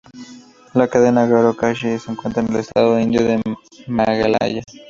La cadena Garo-Khasi se encuentra en el estado indio de Meghalaya.